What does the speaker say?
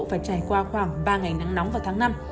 phải trải qua khoảng ba ngày nắng nóng vào tháng năm